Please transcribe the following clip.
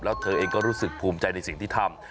แล้วเธอเองก็รู้สึกภูมิใจในสิ่งที่ทำ